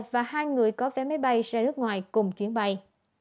và hai người có vé máy bay ra nước ngoài cùng chuyến bay